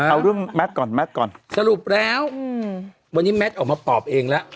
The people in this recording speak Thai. เอาเรื่องแมทก่อนแมทก่อนสรุปแล้ววันนี้แมทออกมาตอบเองแล้ว